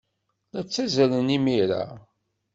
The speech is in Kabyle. La ttazzalen imir-a.